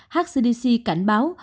hcdc cảnh báo